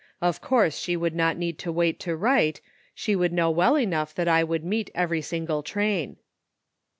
Of course she would not need to wait to write ; she would know well enough that I would meet every single train."